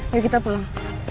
yuk kita pulang